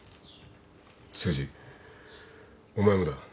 誠治お前もだ。